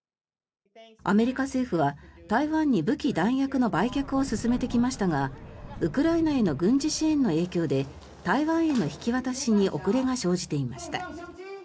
アメリカ政府は台湾に武器・弾薬の売却を進めてきましたがウクライナへの軍事支援の影響で台湾への引き渡しに遅れが生じていました。